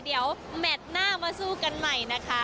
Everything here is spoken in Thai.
เดี๋ยวแมทหน้ามาสู้กันใหม่นะคะ